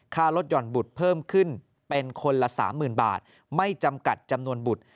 ลดหย่อนบุตรเพิ่มขึ้นเป็นคนละ๓๐๐๐บาทไม่จำกัดจำนวนบุตร